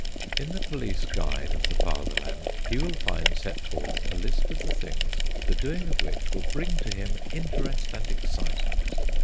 In the Police Guide of the Fatherland he will find set forth a list of the things the doing of which will bring to him interest and excitement.